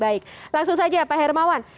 baik langsung saja pak hermawan